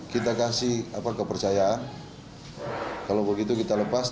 kita kasih kepercayaan kalau begitu kita lepas